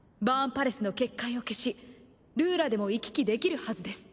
パレスの結界を消しルーラでも行き来できるはずです。